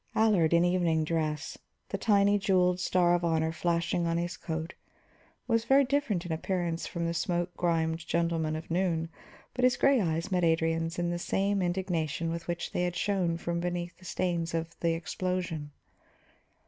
Allard, in evening dress, the tiny jeweled star of honor flashing on his coat, was very different in appearance from the smoke grimed gentleman of noon, but his gray eyes met Adrian's in the same indignation with which they had shone from beneath the stains of the explosion.